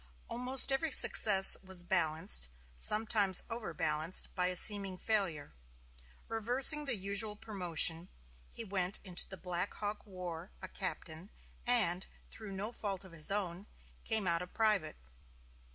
Almost every success was balanced sometimes overbalanced by a seeming failure. Reversing the usual promotion, he went into the Black Hawk War a captain and, through no fault of his own, came out a private.